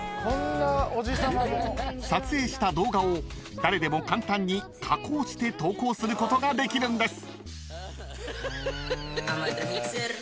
［撮影した動画を誰でも簡単に加工して投稿することができるんです］